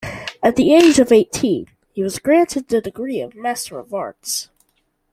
At the age of eighteen he was granted the degree of Master of Arts.